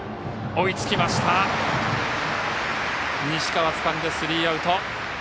西川つかんでスリーアウト。